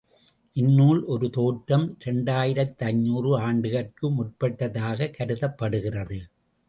இந்நூல், ஒரு தோற்றம், இரண்டாயிரத்தைந்நூறு ஆண்டுகட்கு முற்பட்டதாகக் கருதப்படுகிறது.